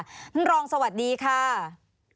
มีความรู้สึกว่ามีความรู้สึกว่า